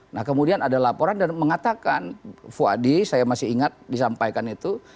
nah kemudian ada laporan dan mengatakan fuadi saya masih ingat disampaikan itu